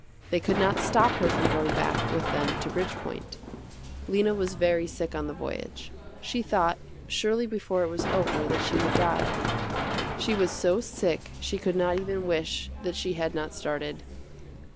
They could not stop her from going back with them to Bridgepoint. Lena was very sick on the voyage. She thought, surely before it was over that she would die. She was so sick she could not even wish that she had not started.